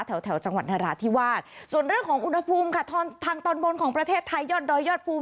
แถวแถวจังหวัดนราธิวาสส่วนเรื่องของอุณหภูมิค่ะทางตอนบนของประเทศไทยยอดดอยยอดภูมิ